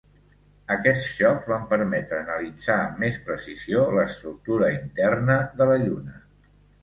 Aquests xocs van permetre analitzar amb més precisió l'estructura interna de la Lluna.